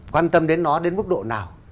quan tâm đến nó đến mức độ nào